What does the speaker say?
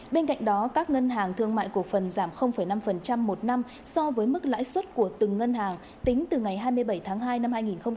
bên cạnh đó các ngân hàng thương mại cổ phần giảm năm một năm so với mức lãi suất của từng ngân hàng tính từ ngày hai mươi bảy tháng hai năm hai nghìn hai mươi